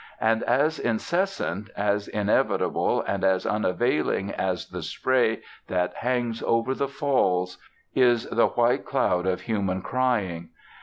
And as incessant, as inevitable, and as unavailing as the spray that hangs over the Falls, is the white cloud of human crying....